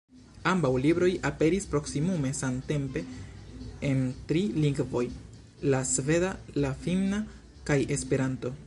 Ambaŭ libroj aperis proksimume samtempe en tri lingvoj, la sveda, la finna kaj Esperanto.